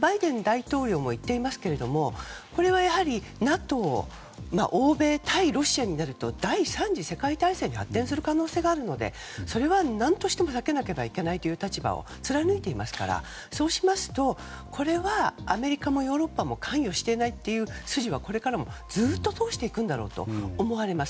バイデン大統領も言っていますけれどもこれはやはり、ＮＡＴＯ欧米対ロシアになると第３次世界大戦に発展する可能性があるのでそれは何としても避けなければいけないという立場を貫いていますからそうしますと、これはアメリカもヨーロッパも関与していないという筋はこれからもずっと通していくと思われます。